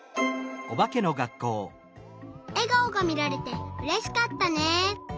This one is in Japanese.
えがおがみられてうれしかったね。